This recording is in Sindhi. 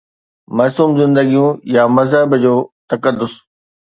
معصوم زندگيون يا مذهب جو تقدس؟